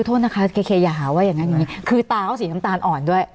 ทวนค่ะเคเคอย่าเขาว่ายังงี้คือตาเขาสีตำตาลอ่อนด้วย